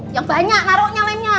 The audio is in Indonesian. yang banyak naroknya lemnya